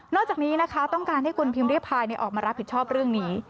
จากนี้นะคะต้องการให้คุณพิมพ์ริพายออกมารับผิดชอบเรื่องนี้